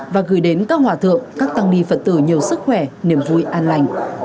và gửi đến các hòa thượng các tăng ni phật tử nhiều sức khỏe niềm vui an lành